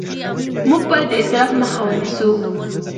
موږ باید د اسراف مخه ونیسو